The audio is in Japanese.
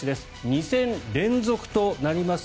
２戦連続となります